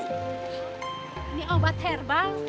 ini obat herbal